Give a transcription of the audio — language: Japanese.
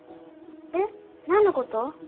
えっなんのこと？